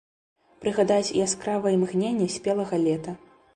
Прыгадаць яскравыя імгненні спелага лета.